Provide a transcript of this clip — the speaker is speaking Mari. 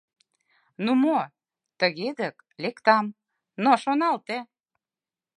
— Ну мо, тыге дык, лектам, но шоналте!